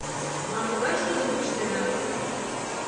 А могай шудым пыштенат?